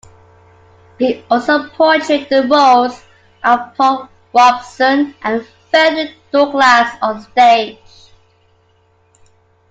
He also portrayed the roles of Paul Robeson and Frederick Douglass on stage.